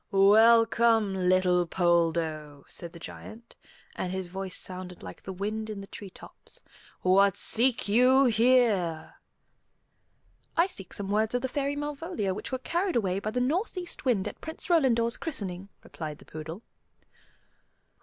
"Welcome, little Poldo," said the Giant; and his voice sounded like the wind in the treetops; "what seek you here?" "I seek some words of the Fairy Malvolia which were carried away by the northeast wind at Prince Rolandor's christening," replied the poodle.